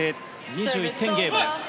２１点ゲームです。